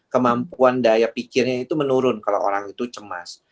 kemampuan daya pikirnya itu menurun kalau orang itu cemas